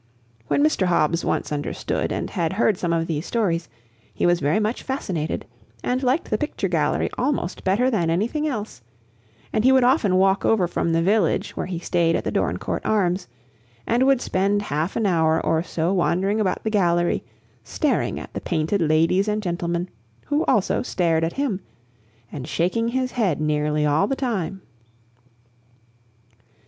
When Mr. Hobbs once understood, and had heard some of these stories, he was very much fascinated and liked the picture gallery almost better than anything else; and he would often walk over from the village, where he staid at the Dorincourt Arms, and would spend half an hour or so wandering about the gallery, staring at the painted ladies and gentlemen, who also stared at him, and shaking his head nearly all the time.